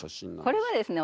これはですね